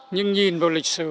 nhưng nhìn vào lịch sử